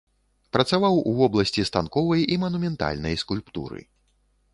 Працаваў у вобласці станковай і манументальнай скульптуры.